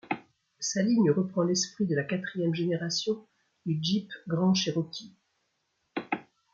Sa ligne reprend l'esprit de la quatrième génération du Jeep Grand Cherokee.